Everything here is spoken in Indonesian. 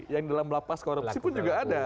yang dalam lapas korupsi pun juga ada